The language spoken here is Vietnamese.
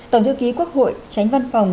tổng thư ký quốc hội tránh văn phòng